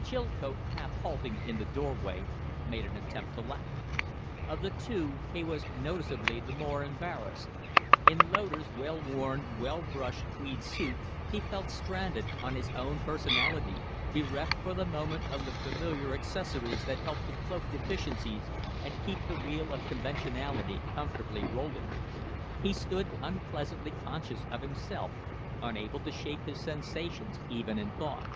Chilcote, half halting in the doorway, made an attempt to laugh. Of the two, he was noticeably the more embarrassed. In Loder's well worn, well brushed tweed suit he felt stranded on his own personality, bereft for the moment of the familiar accessories that helped to cloak deficiencies and keep the wheel of conventionality comfortably rolling. He stood unpleasantly conscious of himself, unable to shape his sensations even in thought.